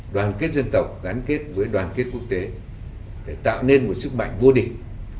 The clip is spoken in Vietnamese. đoàn kết dân tộc gắn kết với đoàn kết quốc tế để tạo nên một sức mạnh vô địch